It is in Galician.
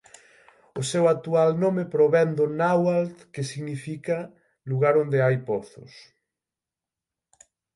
O seu actual nome provén do náhuatl que significa "lugar onde hai pozos".